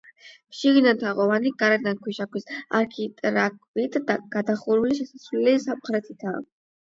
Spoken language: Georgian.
შიგნიდან თაღოვანი, გარედან ქვიშაქვის არქიტრავით გადახურული შესასვლელი სამხრეთითაა.